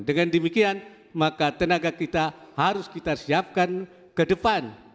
dengan demikian maka tenaga kita harus kita siapkan ke depan